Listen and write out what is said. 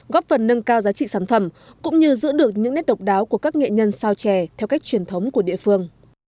góp phần nâng cao giá trị sản phẩm cũng như giữ được những nét độc đáo của các nghệ nhân sao chè theo cách truyền thống của địa phương